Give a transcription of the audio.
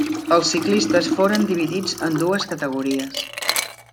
Els ciclistes foren dividits en dues categories.